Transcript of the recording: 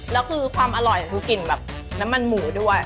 แล้วคือความอร่อยคือกลิ่นแบบน้ำมันหมูด้วย